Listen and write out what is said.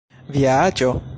Via aĝo?